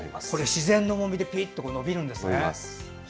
自然の重みでピッと伸びるんですね。